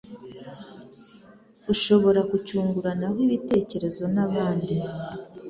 ushobora kucyunguranaho ibitekerezo nabandi